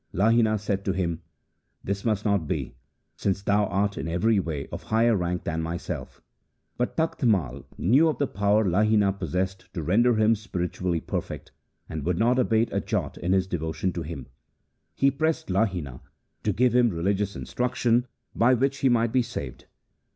Lahina said to him, ' This must not be, since thou art in every way of higher rank than myself ;' but Takht Mai knew of the power Lahina possessed to render him spiri tually perfect, and would not abate a jot in his devotion to him. He pressed Lahina to give him religious instruction by which he might be saved.